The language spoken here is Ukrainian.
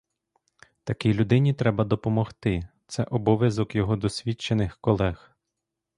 Такій людині треба допомогти, це обов'язок його досвідчених колег.